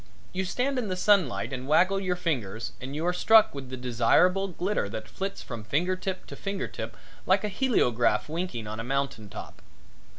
You stand in the sunlight and waggle your fingers and you are struck with the desirable glitter that flits from finger tip to finger tip like a heleograph winking on a mountain top.